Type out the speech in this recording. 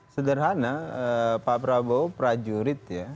sederhana pak prabowo prajurit ya